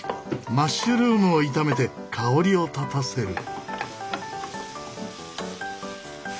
マッシュルームを炒めて香りを立たせる。